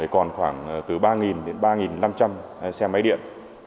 còn khoảng từ ba đến ba năm trăm linh xe máy điện